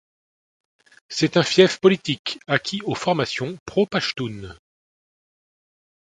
C'est un fief politique acquis aux formations pro-Pachtounes.